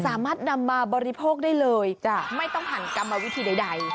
สามารถนำมาบริโภคได้เลยไม่ต้องผ่านกรรมวิธีใด